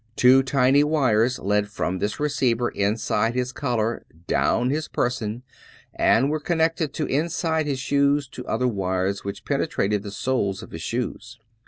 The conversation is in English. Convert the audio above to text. Two tiny wires led from this receiver, inside his collar, down his person, and were connected in side his shoes to other wires which penetrated the soles of his shoes.